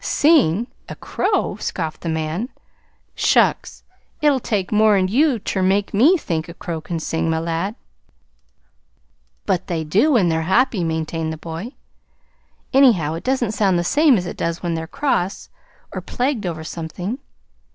"SING A CROW!" scoffed the man. "Shucks! It'll take more 'n you ter make me think a crow can sing, my lad." "But they do, when they're happy," maintained the boy. "Anyhow, it doesn't sound the same as it does when they're cross, or plagued over something.